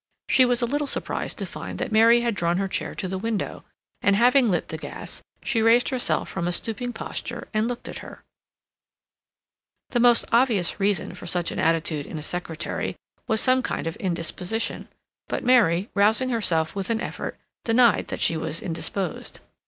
She was a little surprised to find that Mary had drawn her chair to the window, and, having lit the gas, she raised herself from a stooping posture and looked at her. The most obvious reason for such an attitude in a secretary was some kind of indisposition. But Mary, rousing herself with an effort, denied that she was indisposed.